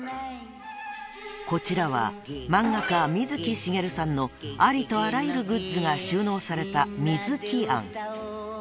［こちらは漫画家水木しげるさんのありとあらゆるグッズが収納された］